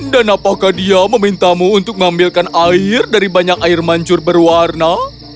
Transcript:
dan apakah dia memintamu untuk mengambilkan air dari banyak air mancur berwarna